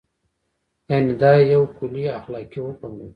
یعنې دا یو کلی اخلاقي حکم دی.